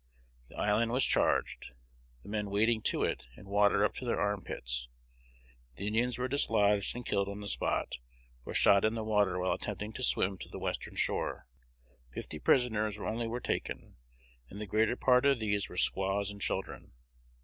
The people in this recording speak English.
The island was charged, the men wading to it in water up to their arm pits, the Indians were dislodged and killed on the spot, or shot in the water while attempting to swim to the western shore. Fifty prisoners only were taken, and the greater part of these were squaws and children.